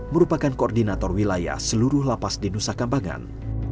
merupakan koordinator wilayah seluruh lapas di nusa kambangan